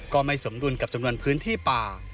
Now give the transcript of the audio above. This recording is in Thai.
ก็ไม่สมดุลกับจำนวนพื้นที่ป่า